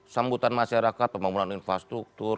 sambutan masyarakat pembangunan infrastruktur